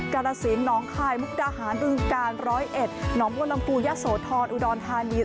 กรสินหนองไข่มุกดาหารปรึงกาลร้อยเอ็ดหนองมนตร์ลำกูยะโสธรอุดรธานี